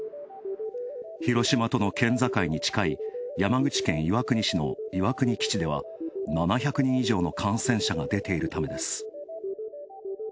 広島との県境に近い山口県岩国市の岩国基地では、７００人以上の感染者が出ているためです。